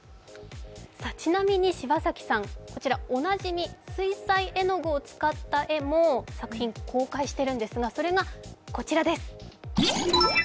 ちなみに柴崎さん、こちらおなじみ水彩絵の具を使った絵も作品を公開しているんですがそれがこちらです。